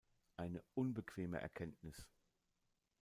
Eine unbequeme Erkenntnis.